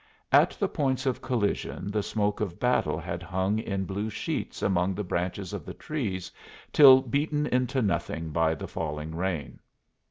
At the points of collision the smoke of battle had hung in blue sheets among the branches of the trees till beaten into nothing by the falling rain.